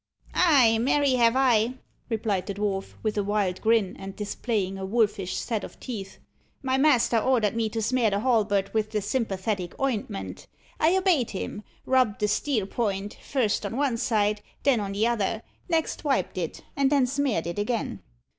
"Ay, marry have I," replied the dwarf, with a wild grin, and displaying a wolfish set of teeth. "My master ordered me to smear the halberd with the sympathetic ointment. I obeyed him: rubbed the steel point, first on one side, then on the other; next wiped it; and then smeared it again."